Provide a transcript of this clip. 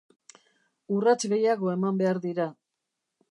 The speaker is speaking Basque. Urrats gehiago eman behar dira.